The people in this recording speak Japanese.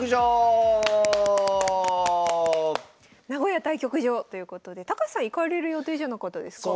名古屋対局場ということで高橋さん行かれる予定じゃなかったですか？